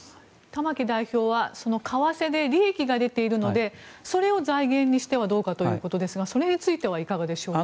玉木代表は為替で利益が出ているのでそれを財源にしてはどうかということですがそれについてはいかがでしょうか。